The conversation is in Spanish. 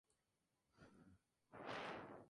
Es una de las mejores pescadoras de superficie de España.